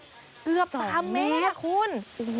เกือบ๓เมตรคุณ